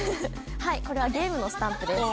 はいこれはゲームのスタンプです。